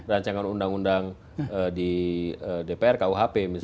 rancangan undang undang di dpr kuhp